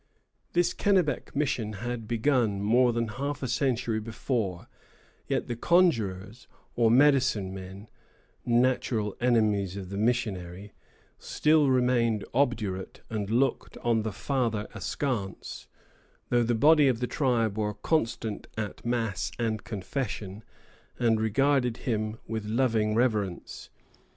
This Kennebec mission had been begun more than half a century before; yet the conjurers, or "medicine men," natural enemies of the missionary, still remained obdurate and looked on the father askance, though the body of the tribe were constant at mass and confession, and regarded him with loving reverence.